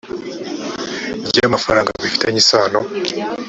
ry amafaranga bifitanye isano